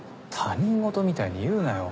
他人事みたいに言うなよ。